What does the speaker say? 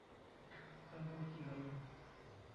ফলাফল কী হলো?